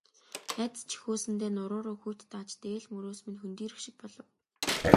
Айдас жихүүдсэндээ нуруу руу хүйт дааж, дээл мөрөөс минь хөндийрөх шиг болов.